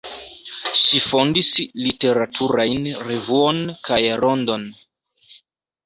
Ŝi fondis literaturajn revuon kaj rondon.